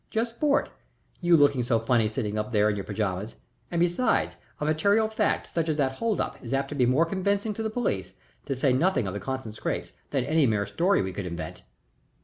"Just sport you looked so funny sitting up there in your pajamas; and, besides, a material fact such as that hold up is apt to be more convincing to the police, to say nothing of the Constant Scrappes, than any mere story we could invent."